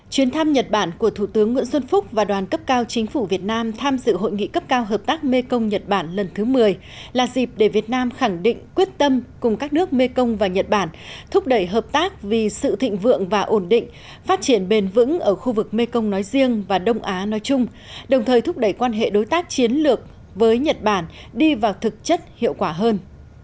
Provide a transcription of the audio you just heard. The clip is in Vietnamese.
chuyến thăm nhật bản của thủ tướng nguyễn xuân phúc và đoàn cấp cao chính phủ việt nam tham dự hội nghị cấp cao hợp tác mekong nhật bản lần thứ một mươi là dịp để việt nam khẳng định quyết tâm cùng các nước mekong và nhật bản thúc đẩy hợp tác vì sự thịnh vượng và ổn định phát triển bền vững ở khu vực mekong nói riêng và đông á nói chung đồng thời thúc đẩy quan hệ đối tác chiến lược với nhật bản đi vào thực chất hiệu quả hơn